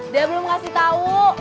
dia belum ngasih tau